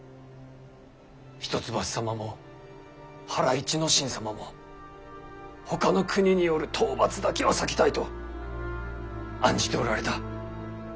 一橋様も原市之進様もほかの国による討伐だけは避けたいと案じておられた。